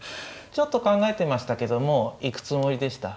ちょっと考えてましたけども行くつもりでした？